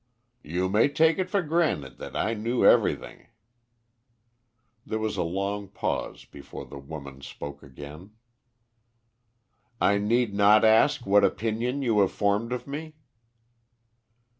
"You may take it for granted that I knew everything." There was a long pause before the woman spoke again. "I need not ask what opinion you have formed of me?"